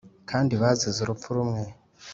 kandi bazize urupfu rumwe,